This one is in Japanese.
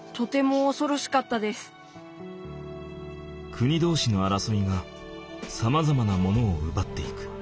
国同士の争いがさまざまなものを奪っていく。